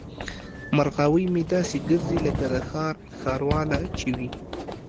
مرغاوۍ مې داسې ګرځي لکه د ښار ښارواله چې وي.